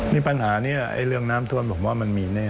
นี่ปัญหานี้เรื่องน้ำท่วมผมว่ามันมีแน่